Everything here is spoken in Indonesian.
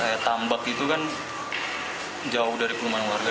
kayak tambak itu kan jauh dari perumahan warga